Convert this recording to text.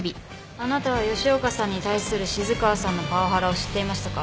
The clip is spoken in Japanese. あなたは吉岡さんに対する静川さんのパワハラを知っていましたか？